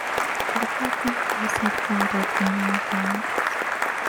The department is headquartered in Columbus.